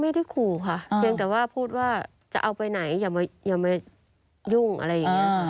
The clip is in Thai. ไม่ได้ขู่ค่ะเพียงแต่ว่าพูดว่าจะเอาไปไหนอย่ามายุ่งอะไรอย่างนี้